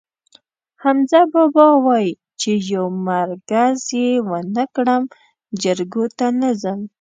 حمزه بابا وایي: چې یو مرگز یې ونه کړم، جرګو ته ځم.